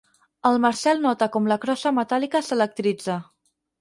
El Marcel nota com la crossa metàl·lica s'electritza.